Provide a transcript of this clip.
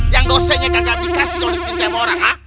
yang dosenya kagak dikasih doang di pintai orang